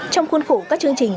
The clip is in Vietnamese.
trong khuôn khủ các chương trình